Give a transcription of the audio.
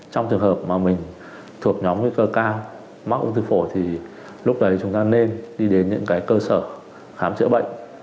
trong trường hợp mà mình thuộc nhóm nguy cơ cao mắc ung thư phổi thì lúc đấy chúng ta nên đi đến những cái cơ sở khám chữa bệnh